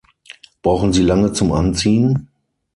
Brauchen Sie lange zum Anziehen?